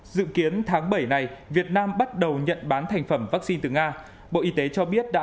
dự kiến tháng bảy này việt nam bắt đầu nhận bán thành phẩm vaccine từ nga bộ y tế cho biết đã